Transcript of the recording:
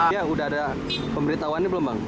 ya udah ada pemberitahuan ini belum bang